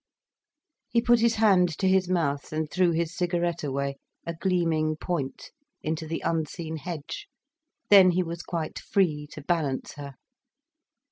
He put his hand to his mouth and threw his cigarette away, a gleaming point, into the unseen hedge. Then he was quite free to balance her.